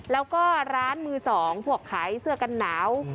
แล้วก็ร้านมือสองพวกขายเสื้อกันหนาว